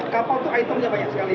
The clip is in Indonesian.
kapal itu itemnya banyak sekali